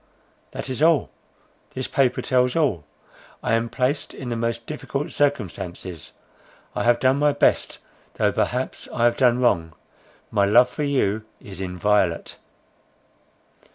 "That is all—this paper tells all. I am placed in the most difficult circumstances. I have done my best, though perhaps I have done wrong. My love for you is inviolate."